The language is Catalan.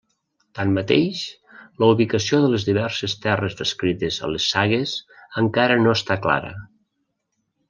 Tanmateix, la ubicació de les diverses terres descrites a les sagues encara no està clara.